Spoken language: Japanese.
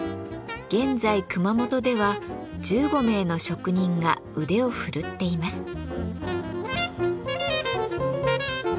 現在熊本では１５名の職人が腕を振るっています。